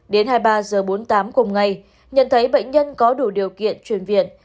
đến hai mươi ba h bốn mươi tám cùng ngày nhận thấy bệnh nhân có đủ điều kiện truyền viện